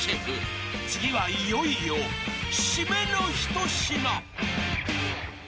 ［次はいよいよ締めの一品］